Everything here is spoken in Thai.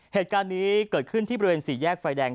เหตุการณ์นี้เกิดขึ้นที่บริเวณสี่แยกไฟแดง